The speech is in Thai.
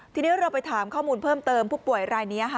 ทีนี้เราไปถามข้อมูลเพิ่มเติมผู้ป่วยรายนี้